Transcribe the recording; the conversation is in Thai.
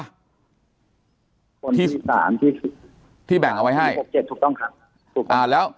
คนที่๓ที่๖๗ถูกต้องค่ะ